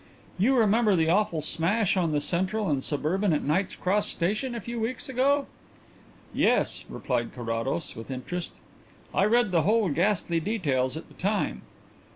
You remember the awful smash on the Central and Suburban at Knight's Cross Station a few weeks ago?" "Yes," replied Carrados, with interest. "I read the whole ghastly details at the time."